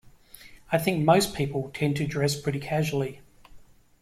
I think most people tend to dress pretty casually.